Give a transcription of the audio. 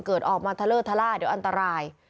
เกิดออกมาเถลอเถลาเดี๋ยวอันตราย